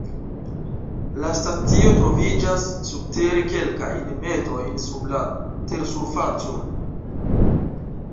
La stacio troviĝas subtere kelkajn metrojn sub la tersurfaco.